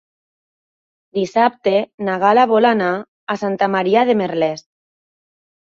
Dissabte na Gal·la vol anar a Santa Maria de Merlès.